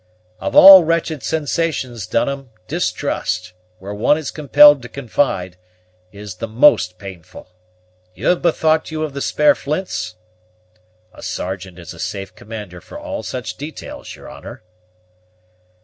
"Of all wretched sensations, Dunham, distrust, where one is compelled to confide, is the most painful. You have bethought you of the spare flints?" "A sergeant is a safe commander for all such details, your honor."